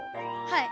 はい。